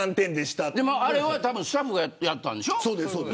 あれはスタッフがやったんでしょ。